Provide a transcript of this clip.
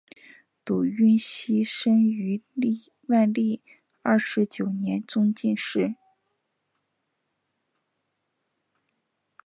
堵胤锡生于万历二十九年中进士。